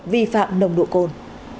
vi phạm nồng độ cồn